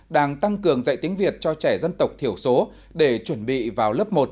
đang tăng cường dạy tiếng việt cho trẻ dân tộc thiểu số để chuẩn bị vào lớp một